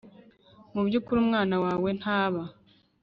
Mu by ukuri umwana wawe ntaba